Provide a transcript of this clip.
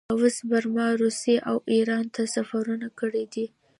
لاوس، برما، روسیې او ایران ته سفرونه کړي دي.